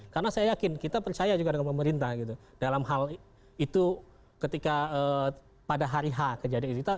karena saya yakin kita percaya juga dengan pemerintah gitu dalam hal itu ketika pada hari h kejadian itu